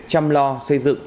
chăm lo xây dựng